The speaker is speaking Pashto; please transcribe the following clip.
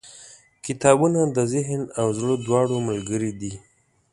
• کتابونه د ذهن او زړه دواړو ملګري دي.